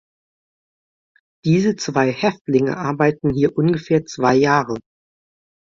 Diese zwei Häftlinge arbeiteten hier ungefähr zwei Jahre.